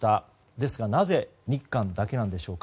ですが、なぜ日韓だけなのでしょうか。